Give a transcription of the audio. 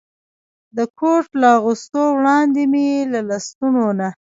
د کوټ له اغوستو وړاندې مې له لستوڼو نه.